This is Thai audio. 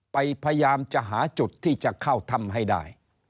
พยายามจะหาจุดที่จะเข้าถ้ำให้ได้